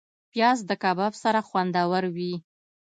پیاز د کباب سره خوندور وي